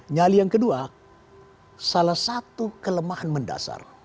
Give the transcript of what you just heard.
nyali yang kedua salah satu kelemahan mendasar